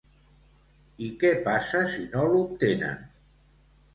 I què passa si no l'obtenen?